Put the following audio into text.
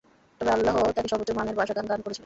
তবে আল্লাহ তাঁকে সর্বোচ্চ মানের ভাষা-জ্ঞান দান করেছিলেন।